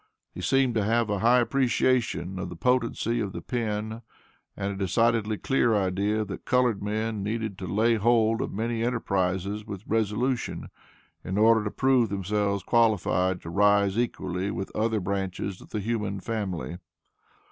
He seemed to have a high appreciation of the potency of the pen, and a decidedly clear idea that colored men needed to lay hold of many enterprises with resolution, in order to prove themselves qualified to rise equally with other branches of the human family.